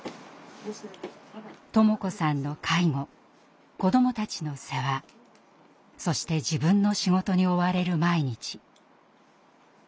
智子さんの介護子どもたちの世話そして自分の仕事に追われる毎日。